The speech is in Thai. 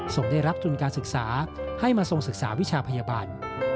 ส่งได้รับทุนการศึกษาให้มาทรงศึกษาวิชาพยาบาล